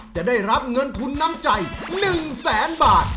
จะได้รับเงินทุนน้ำใจ๑แสนบาท